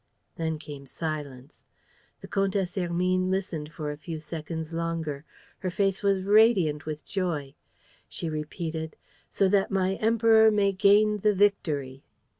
Then came silence. The Comtesse Hermine listened for a few seconds longer. Her face was radiant with joy. She repeated: "So that my Emperor may gain the victory!"